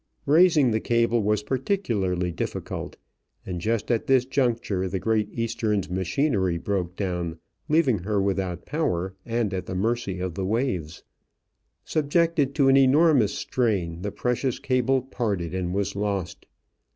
Raising the cable was particularly difficult, and just at this juncture the Great Eastern's machinery broke down, leaving her without power and at the mercy of the waves. Subjected to an enormous strain, the precious cable parted and was lost.